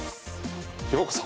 ようこそ！